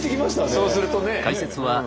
そうするとね。